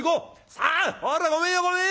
「さあほらごめんよごめんよ！